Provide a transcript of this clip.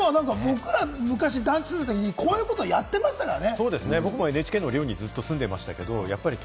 僕ら昔、団地に住んでいたとき、こういうことやってましたからね。